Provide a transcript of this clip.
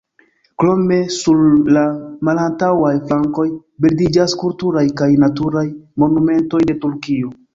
Krome sur la malantaŭaj flankoj bildiĝas kulturaj kaj naturaj monumentoj de Turkio.